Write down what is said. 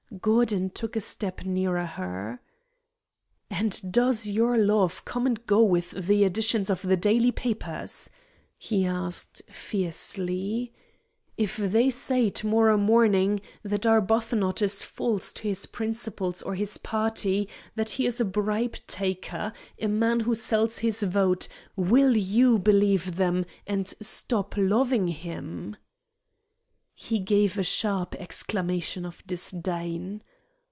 Gordon took a step nearer her. "And does your love come and go with the editions of the daily papers?" he asked, fiercely. "If they say to morrow morning that Arbuthnot is false to his principles or his party, that he is a bribe taker, a man who sells his vote, will you believe them and stop loving him?" He gave a sharp exclamation of disdain.